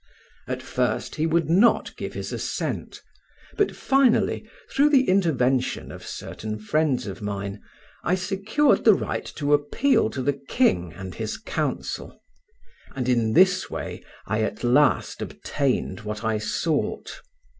At first he would not give his assent, but finally, through the intervention of certain friends of mine, I secured the right to appeal to the king and his council, and in this way I at last obtained what I sought.